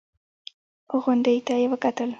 غونډۍ ته يې وکتل.